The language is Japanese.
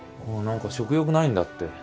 あぁ何か食欲ないんだって。